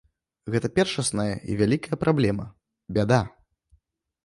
Гэта першасная і вялікая праблема, бяда.